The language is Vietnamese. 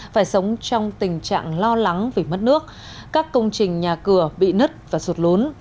phải sống trong tình trạng lo lắng vì mất nước các công trình nhà cửa bị nứt và sụt lún